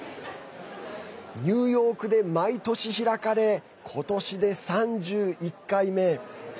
ニューヨークで毎年開かれ今年で３１回目。